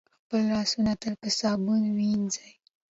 خپل لاسونه تل په صابون وینځئ.